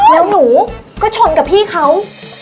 แล้วหนูก็ชนกับพี่เขา